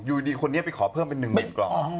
อยู่ดีคนนี้ไปขอเพิ่มเป็นหนึ่งหมื่นกล่อง